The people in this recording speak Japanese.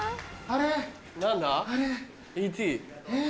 あれ？